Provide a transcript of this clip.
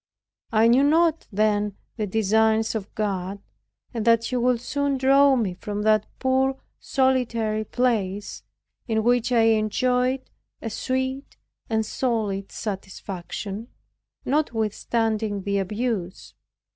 I knew not then the designs of God, and that He would soon draw me from that poor solitary place, in which I enjoyed a sweet and solid satisfaction, notwithstanding the abuse.